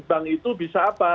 bank itu bisa apa